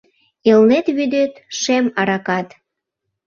Элнет вӱдет - шем аракат